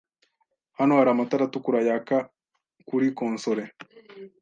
Hano hari amatara atukura yaka kuri konsole.